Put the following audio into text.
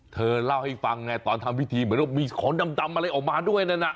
เธอเล่าให้ฟังไงตอนทำพิธีเหมือนว่ามีของดำอะไรออกมาด้วยนั่นน่ะ